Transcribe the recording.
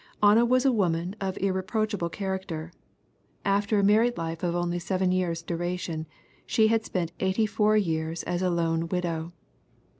Anna was a woman of irreproachable character. After a married life of only seven years' duration, she had spent eighty four years as a lone widow.